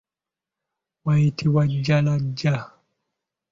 Wayitibwa Jjalaja.